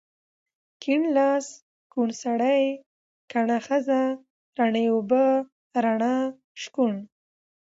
کيڼ لاس، کوڼ سړی، کڼه ښځه، رڼې اوبه، رڼا، شکوڼ